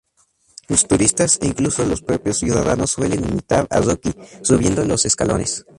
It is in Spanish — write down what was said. Los turistas e incluso los propios ciudadanos suelen imitar a Rocky subiendo los escalones.